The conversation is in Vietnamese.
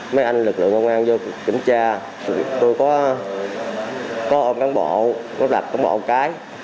mấy anh lực lượng công an vô kiểm tra tôi có ôm cán bộ có đặt cán bộ một cái